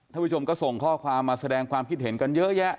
ผู้ชมก็ส่งข้อความมาแสดงความคิดเห็นกันเยอะแยะ